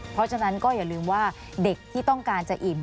เพราะฉะนั้นก็อย่าลืมว่าเด็กที่ต้องการจะอิ่ม